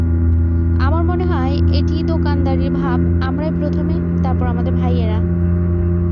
আমার মনে হয়, এটি দোকানদারির ভাব আমরাই প্রথমে, তারপর আমাদের ভাই-এরা।